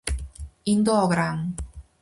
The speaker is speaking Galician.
Indo ao gran.